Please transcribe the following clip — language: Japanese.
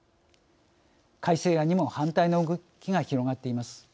改正案にも反対の動きが広がっています。